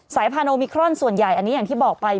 พาโอมิครอนส่วนใหญ่อันนี้อย่างที่บอกไป